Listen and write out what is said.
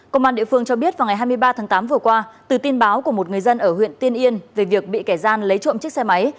công an địa phương cho biết vào ngày hai mươi ba tháng tám vừa qua từ tin báo của một người dân ở huyện tiên yên về việc bị kẻ gian lấy trộm chiếc xe máy